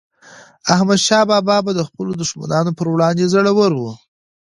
احمدشاه بابا به د خپلو دښمنانو پر وړاندي زړور و.